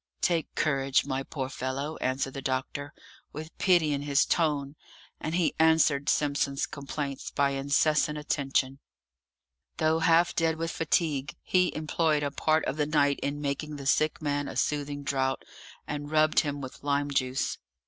"Take courage, my poor fellow!" answered the doctor, with pity in his tone, and he answered Simpson's complaints by incessant attention. Though half dead with fatigue, he employed a part of the night in making the sick man a soothing draught, and rubbed him with lime juice.